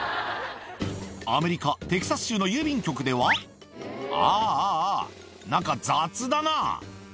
アメリカ・テキサス州の郵便局では、あーあーあー、なんか雑だな。